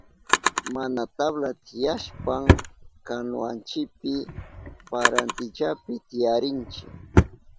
Mana tabla tiyashpan kanuwanchipi parintillapi tiyarinchi.